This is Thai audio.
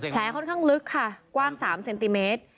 ค่อนข้างลึกค่ะกว้าง๓เซนติเมตร